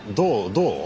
どう？